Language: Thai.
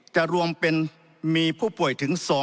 จะรวมเป็นมีผู้ป่วยถึง๒๙๓๑๘คน